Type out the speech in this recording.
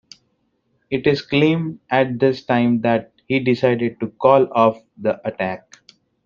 It is claimed at this time that he decided to call off the attack.